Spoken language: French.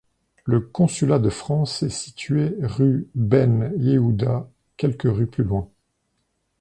Le consulat de France est situé rue Ben Yehuda, quelques rues plus loin.